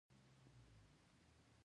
د اټومي تودوخې سره ماده پلازما جوړېږي.